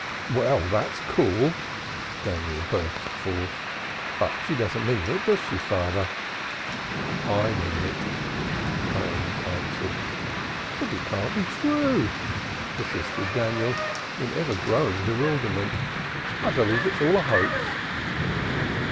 "Well, that's cool!" Daniel burst forth. "But she doesn't mean it, does she, father?" "I mean it." Hyams answered. "But it can't be true," persisted Daniel, in ever growing bewilderment. "I believe it's all a hoax."